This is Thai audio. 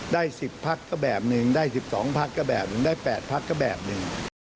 ได้๑๐พักก็แบบหนึ่งได้๑๒พักก็แบบหนึ่งได้๘พักก็แบบหนึ่ง